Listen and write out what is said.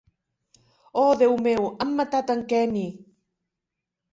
Oh Déu meu, han matat en Kenny!